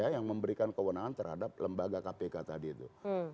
yang memberikan kewenangan terhadap lembaga kpk tadi itu